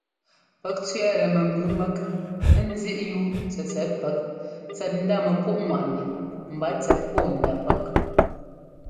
Pɛ́k tsẅɛ́ɛtɛ mɛmbʉʉ mɛ́k ńzíꞌyúu tsɛtsɛt pɛ́k tsɛt ndá mɛpúꞌŋwaꞌnɛ mba tsɛt pɔ́ɔndá pɛ́k.